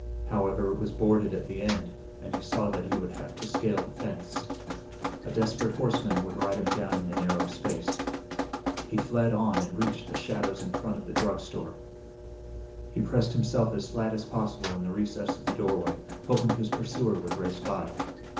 However, it was boarded at the end and he saw that he would have to scale the fence. A desperate horseman would ride him down in the narrow space. He fled on and reached the shadows in front of the drugstore. He pressed himself as flat as possible in the recess of the doorway, hoping his pursuer would race by.